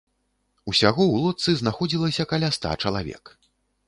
Усяго ў лодцы знаходзілася каля ста чалавек.